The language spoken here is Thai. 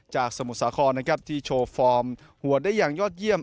จากสมุทรสาครที่โชว์ฟอร์มหัวได้อย่างยอดเยี่ยม